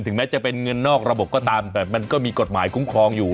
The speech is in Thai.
แม้จะเป็นเงินนอกระบบก็ตามแต่มันก็มีกฎหมายคุ้มครองอยู่